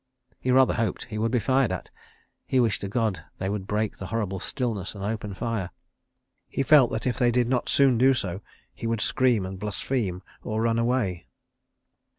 ... He rather hoped he would be fired at. He wished to God they would break the horrible stillness and open fire. ... He felt that, if they did not soon do so, he would scream and blaspheme or run away.